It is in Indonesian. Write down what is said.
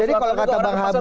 jadi kalau kata bang habib